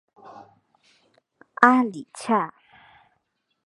阿里恰。